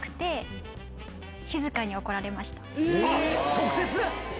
直接？